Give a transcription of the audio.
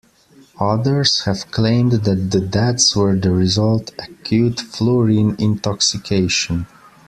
Others have claimed that the deaths were the result acute fluorine intoxication.